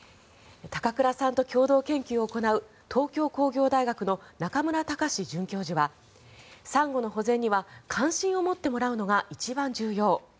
高倉さんと共同研究を行う東京工業大学の中村隆志准教授はサンゴの保全には関心を持ってもらうのが一番重要。